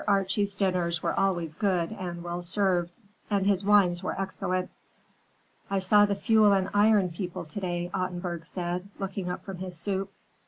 Archie's dinners were always good and well served, and his wines were excellent. "I saw the Fuel and Iron people to day," Ottenburg said, looking up from his soup.